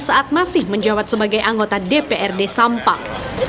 saat masih menjabat sebagai anggota dprd sampang